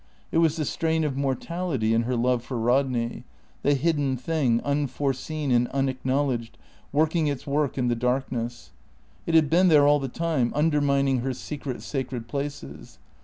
It was the strain of mortality in her love for Rodney; the hidden thing, unforeseen and unacknowledged, working its work in the darkness. It had been there all the time, undermining her secret, sacred places.